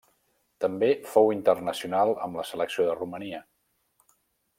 També fou internacional amb la selecció de Romania.